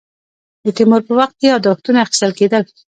د تیمور په وخت کې یاداښتونه اخیستل کېدل.